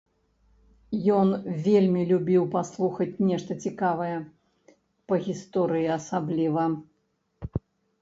Ён вельмі любіў паслухаць нешта цікавае, па гісторыі асабліва.